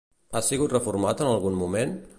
Ha sigut reformat en algun moment?